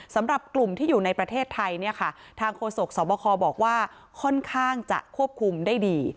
สำหรับกลุ่มที่อยู่ในประเทศไทยเนี่ยค่ะทางโฆษกสวบคบอกว่าค่อนข้างจะควบคุมได้ดี